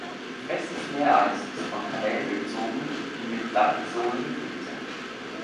Festes Meereis ist von Kanälen durchzogen, die mit Salzsole gefüllt sind.